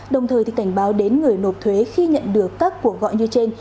đồng thời cảnh báo đến người nộp thuế khi nhận được các cuộc gọi như trên